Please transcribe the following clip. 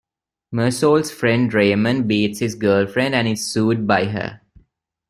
Mersault's friend Raymond beats his girlfriend and is sued by her.